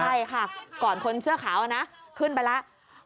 ใช่ค่ะก่อนคนเสื้อขาวนะขึ้นไปแล้ว